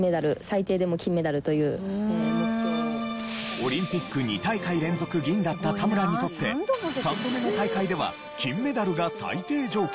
オリンピック２大会連続銀だった田村にとって３度目の大会では金メダルが最低条件に。